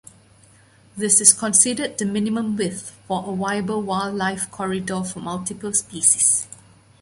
This is considered the minimum width for a viable wildlife corridor for multiple species.